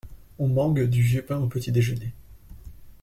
On mangue du vieux pain au petit-déjeuner.